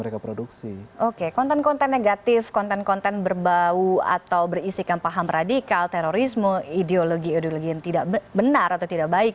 konten konten negatif konten konten berbau atau berisikan paham radikal terorisme ideologi ideologi yang tidak benar atau tidak baik